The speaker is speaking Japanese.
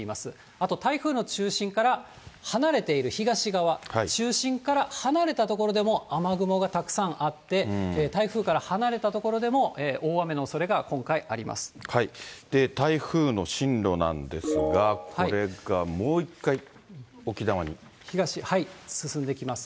あと台風の中心から離れている東側、中心から離れた所でも、雨雲がたくさんあって、台風から離れた所でも大雨のおそれが、台風の進路なんですが、東、進んできます。